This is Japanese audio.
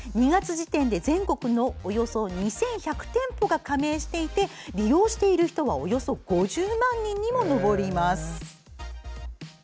２月時点で全国のおよそ２１００店舗が加盟していて利用している人はおよそ５０万人にも上ります。